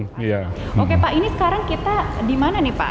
oke pak ini sekarang kita di mana nih pak